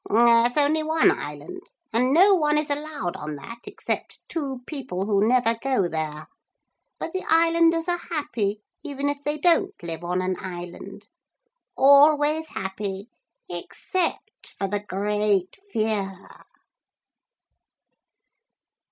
'There's only one island, and no one is allowed on that except two people who never go there. But the islanders are happy even if they don't live on an island always happy, except for the great fear.'